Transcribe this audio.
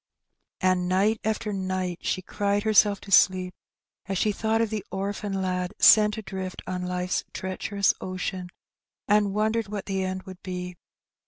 And night after night she cried herself to sleep, as she thought of the orphan lad sent adrift on life's treacherous ocean, and wondered what the end would be.